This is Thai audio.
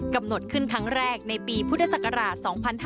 กำหนดขึ้นครั้งแรกในปีพุทธศักราช๒๕๕๙